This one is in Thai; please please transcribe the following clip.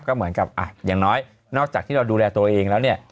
ก็เหมือนกับอ่ะอย่างน้อยนอกจากที่เราดูแลตัวเองแล้วเนี่ย